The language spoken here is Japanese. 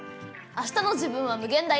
あしたの自分は無限大。